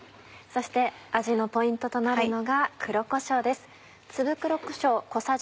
そして味のポイントとなるのが黒こしょうです。